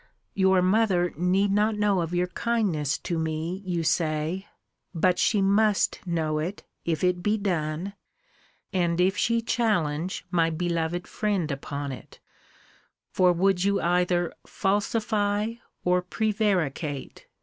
Your mother need not know of your kindness to me, you say but she must know it, if it be done, and if she challenge my beloved friend upon it; for would you either falsify or prevaricate?